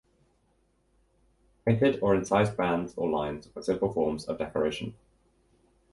Painted or incised bands or lines were simple forms of decoration.